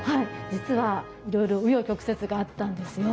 実はいろいろ紆余曲折があったんですよ。